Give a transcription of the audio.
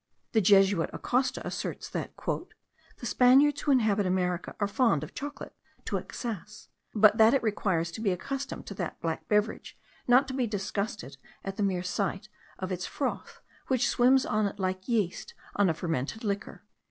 The Jesuit Acosta asserts, that "the Spaniards who inhabit America are fond of chocolate to excess; but that it requires to be accustomed to that black beverage not to be disgusted at the mere sight of its froth, which swims on it like yeast on a fermented liquor."